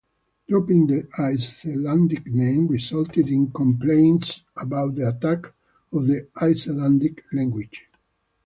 Dropping the Icelandic name resulted in complaints about the attack on the Icelandic language.